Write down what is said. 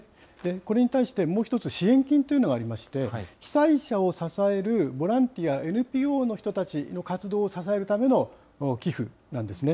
これに対してもう１つ、支援金というのがありまして、被災者を支えるボランティア、ＮＰＯの人たちを活動を支えるための寄付なんですね。